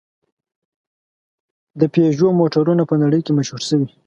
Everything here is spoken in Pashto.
د پيژو موټرونه په نړۍ کې مشهور شوي.